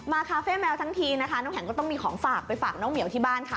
คาเฟ่แมวทั้งทีนะคะน้ำแข็งก็ต้องมีของฝากไปฝากน้องเหมียวที่บ้านค่ะ